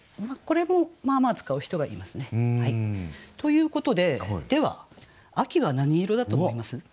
これもまあまあ使う人がいますね。ということででは秋は何色だと思います？